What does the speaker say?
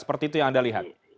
seperti itu yang anda lihat